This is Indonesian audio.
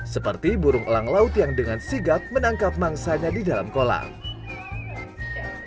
seperti burung elang laut yang dengan sigap menangkap mangsanya di dalam kolam